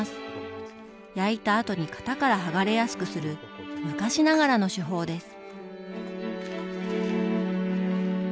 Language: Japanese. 焼いたあとに型から剥がれやすくする昔ながらの手法です。